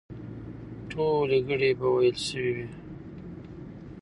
ټولې ګړې به وېل سوې وي.